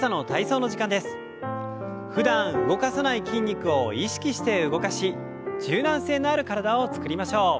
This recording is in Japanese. ふだん動かさない筋肉を意識して動かし柔軟性のある体を作りましょう。